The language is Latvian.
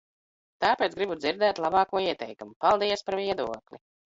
Tāpēc gribu dzirdēt labāko ieteikumu. Paldies par viedokli!